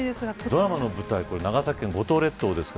ドラマの舞台が長崎県の五島列島ですが